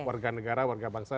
warga negara warga bangsa